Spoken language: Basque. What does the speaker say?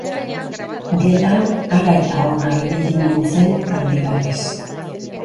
Gelan hara eta hona ibili nintzen aldi batez.